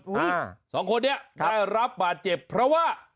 สองคนนี้ได้รับบาดเจ็บเพราะว่า